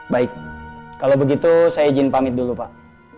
baik kalau begitu saya izin pamit dulu pak